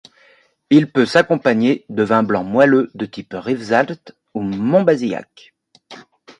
Il peut s'accompagner de vins blancs moelleux de type rivesaltes ou monbazillac.